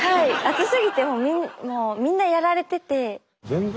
暑すぎてもうみんなやられてて。